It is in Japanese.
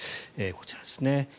こちらですね。